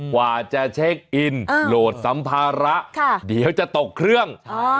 กว่าจะเช็คอินโหลดสัมภาระเดี๋ยวจะตกเครื่อง